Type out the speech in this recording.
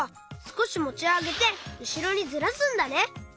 すこしもちあげてうしろにずらすんだね。